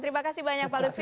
terima kasih banyak pak lutfi